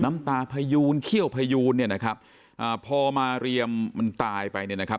น้ำตาพยูนเขี้ยวพยูนเนี่ยนะครับอ่าพอมาเรียมมันตายไปเนี่ยนะครับ